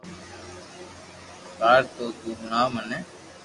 يار تو تو ھڻاو مين